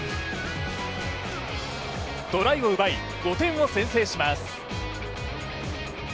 トライを奪い５点を先制します。